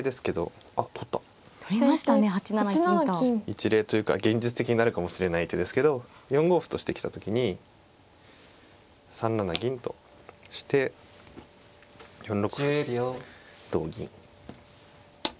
一例というか現実的になるかもしれない手ですけど４五歩としてきた時に３七銀として４六歩同銀。